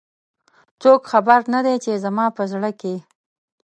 څوک خبر نه د ی، چې زما په زړه کې